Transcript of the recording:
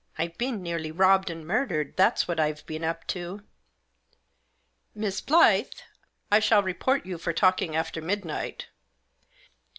" I've been nearly robbed and murdered, that's what I've been up to." " Miss Blyth, I shall report you for talking after midnight."